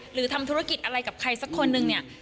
หรือทำธุรกิจอะไรกับใครสักคนนึงเนี่ย